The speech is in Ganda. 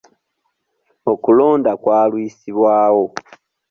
Okulonda kwalwisibwawo.